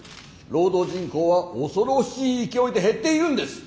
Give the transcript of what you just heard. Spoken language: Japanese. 労働人口は恐ろしい勢いで減っているんです。